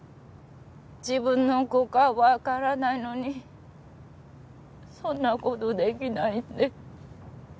自分の子かわからないのにそんな事できないって。